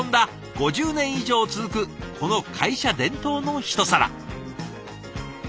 ５０年以上続くこの会社伝統のひと皿。